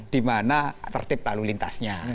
di mana tertib lalu lintasnya